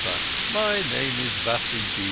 My name is Vasudeva.